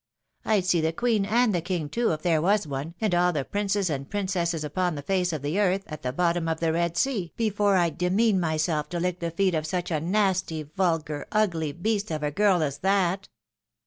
I'd see the queen, and the king too, if there was one, and all the princes and princesses upon the face of the earth, at the bottom of the Ked Sea before I'd demean myself to hck the feet of such a nasty, vulgar, ugly beast of a girl as that."